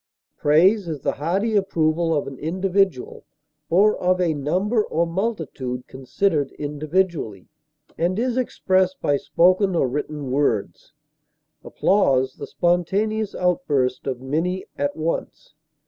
Praise is the hearty approval of an individual, or of a number or multitude considered individually, and is expressed by spoken or written words; applause, the spontaneous outburst of many at once.